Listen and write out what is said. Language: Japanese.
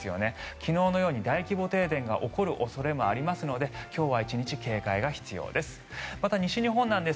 昨日のように大規模停電が起こる恐れもありますので今日は１日警戒が必要です。